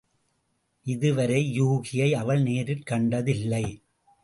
இதுவரை யூகியை அவள் நேரிற் கண்டதும் இல்லை.